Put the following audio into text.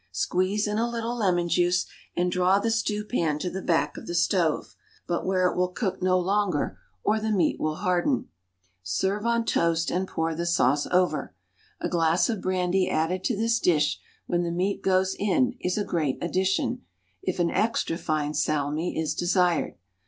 Squeeze in a little lemon juice and draw the stew pan to the back of the stove, but where it will cook no longer, or the meat will harden. Serve on toast, and pour the sauce over. A glass of brandy added to this dish when the meat goes in is a great addition, if an extra fine salmi is desired.